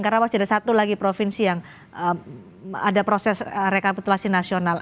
karena masih ada satu lagi provinsi yang ada proses rekapitulasi nasional